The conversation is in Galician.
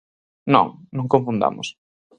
Non, non confundamos.